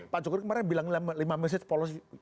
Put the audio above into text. pak jokowi kemarin bilang lima message policy